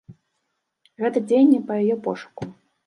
Гэта дзеянні па яе пошуку.